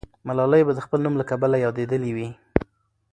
ملالۍ به د خپل نوم له کبله یادېدلې وي.